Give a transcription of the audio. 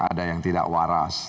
ada yang tidak waras